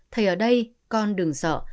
thầy ở đây con đừng sợ